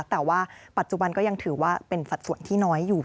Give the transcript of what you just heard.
แต่ว่าปัจจุบันก็ยังถือว่าเป็นสัดส่วนที่น้อยอยู่